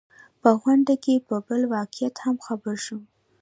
په غونډه کې پر بل واقعیت هم خبر شوم.